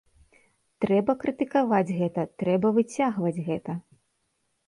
Трэба крытыкаваць гэта, трэба выцягваць гэта.